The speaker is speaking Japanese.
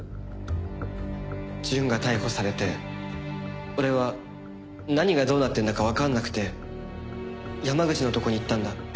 淳が逮捕されて俺は何がどうなってるんだかわかんなくて山口のとこに行ったんだ。